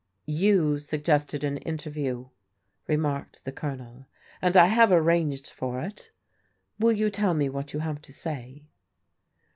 " You suggested an interview," remarked the Colonel, " and I have arranged for it. Will you tell me what you have to say